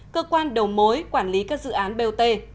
cơ quan đầu mối quản lý các dự án bot